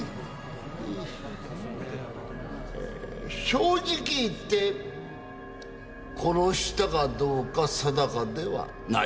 正直言って殺したかどうか定かではない。